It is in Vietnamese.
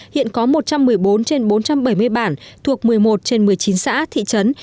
hiện có một trăm một mươi bốn trên bốn trăm bảy mươi bản thuộc một mươi một trên một mươi chín xã thị trấn